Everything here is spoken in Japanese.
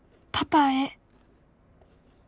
「パパへ」